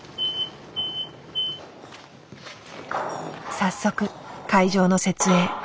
早速会場の設営。